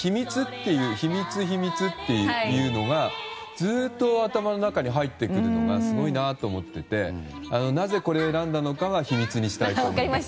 ひみつ、ひみつっていうのがずっと頭の中に入ってくるのがすごいなと思っててなぜ、これを選んだのかは秘密にしたいと思います。